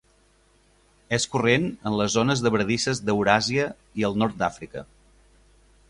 És corrent en les zones de bardisses d'Euràsia i el nord d'Àfrica.